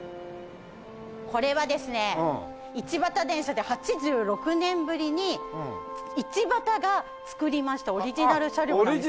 これはですね一畑電車で８６年ぶりに一畑が作りましたオリジナル車両なんですよ。